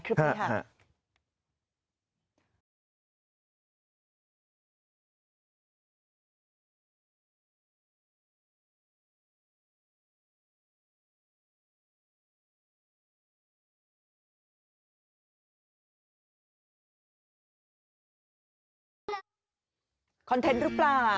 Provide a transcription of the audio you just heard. คลิปที่สุดท้ายของคุณเพื่อรับรับและรับ